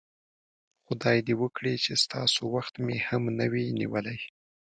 خدای دې وکړي چې ستاسو وخت مې هم نه وي نیولی.